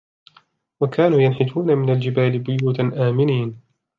وَكَانُوا يَنْحِتُونَ مِنَ الْجِبَالِ بُيُوتًا آمِنِينَ